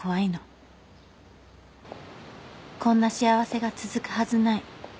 「こんな幸せが続くはずない」